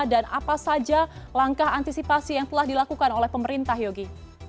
dan apa saja langkah antisipasi yang telah dilakukan oleh pemerintah yogi